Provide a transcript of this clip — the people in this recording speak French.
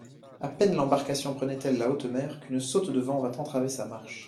A peine l'embarcation prenait-elle la haute mer qu'une saute de vent vint entraver sa marche.